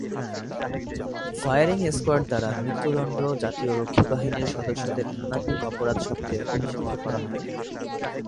Firing squad দারা মৃত্যুদন্ড, জাতীয় রক্ষীবাহিনীর সদস্যদের নানাবিধ অপরাধ সত্ত্বেও অভিযুক্ত করা হয়না।